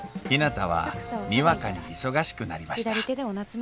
ひなたはにわかに忙しくなりました